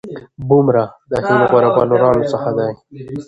بومراه د هند د غوره بالرانو څخه دئ.